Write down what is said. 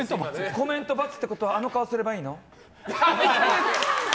コメント×だったってことはあの顔すればいいの？